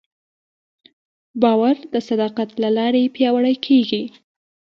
باور د صداقت له لارې پیاوړی کېږي.